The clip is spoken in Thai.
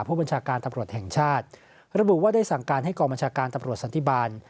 ผู้บัญชาการตำรวจแห่งชาติระบุว่าได้สั่งการให้กองบัญชาการตำรวจสันติบาล